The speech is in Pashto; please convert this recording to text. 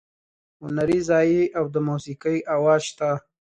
هنري صنایع او د موسیقۍ اواز شته.